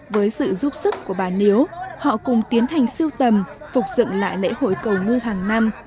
với sự giúp sức của bà niếu họ cùng tiến hành siêu tầm phục dựng lại lễ hội cầu ngư hàng năm